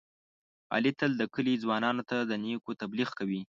علي تل د کلي ځوانانو ته د نېکو تبلیغ کوي.